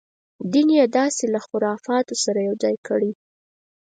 دین یې داسې له خرافاتو سره یو ځای کړی.